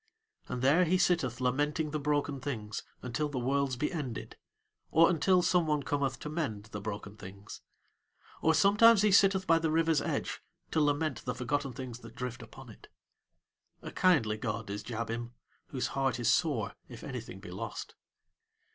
And there he sitteth lamenting the broken things until the worlds be ended, or until someone cometh to mend the broken things. Or sometimes he sitteth by the river's edge to lament the forgotten things that drift upon it. A kindly god is Jabim, whose heart is sore if anything be lost.